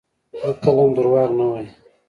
زړه کله هم دروغ نه وایي.